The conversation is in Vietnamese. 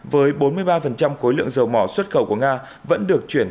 với bốn mươi ba khối lượng dầu mỏ xuất khẩu của nga vẫn được chuyển